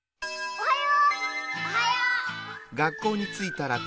おはよう。